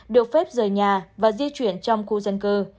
được phép rời nhà và di chuyển trong khu dân cư